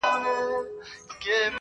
بې پروا سي بس له خپلو قریبانو,